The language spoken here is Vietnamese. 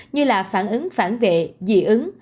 như là phản ứng phản vệ dị ứng